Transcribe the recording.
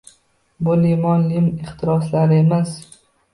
Bu limmo-lim ehtiroslar emas.